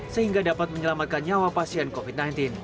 sehingga dapat menyelamatkan nyawa pasien covid sembilan belas